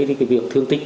cái việc thương tích